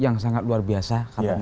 yang sangat luar biasa